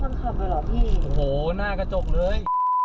กองขี่แล้วไปตกใจมากเลย